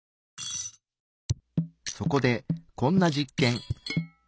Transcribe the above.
そこでこんな実験。